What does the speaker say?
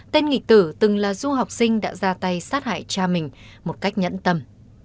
tên nghị tử từng là du học sinh đã ra tay sát hại cha mình một cách nhẫn tâm